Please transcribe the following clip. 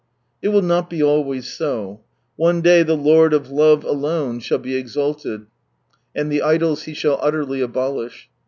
It will not be always so. One day the Lord of love alone shall be exaiied, and the idols He shall utterly abolish.